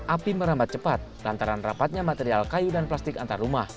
api merambat cepat lantaran rapatnya material kayu dan plastik antar rumah